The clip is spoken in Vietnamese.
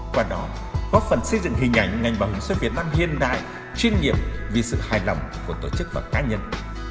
qua đó góp phần xây dựng hình ảnh ngành bảo hiểm xã hội việt nam hiện đại chuyên nghiệp vì sự hài lòng của tổ chức và cá nhân